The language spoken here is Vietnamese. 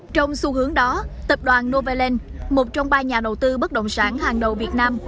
trong xu hướng đó tập đoàn novaland một trong ba nhà đầu tư bất động sản hàng đầu việt nam